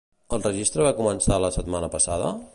El registre va començar la setmana passada?